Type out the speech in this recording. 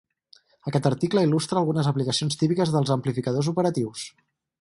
Aquest article il·lustra algunes aplicacions típiques dels amplificadors operatius.